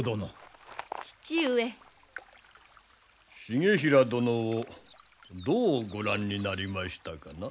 重衡殿をどうご覧になりましたかな？